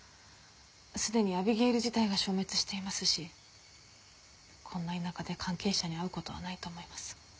すでにアビゲイル自体が消滅していますしこんな田舎で関係者に会う事はないと思います。